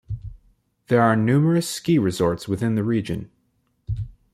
There are numerous ski resorts within the region.